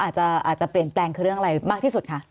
อาจจะเปลี่ยนแปลงคือเรื่องอะไรมากที่สุดคะ